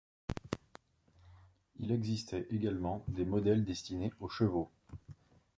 Il existait également des modèles destinés aux chevaux.